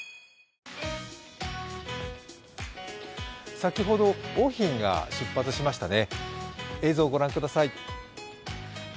先ほど桜浜が出発しましたね。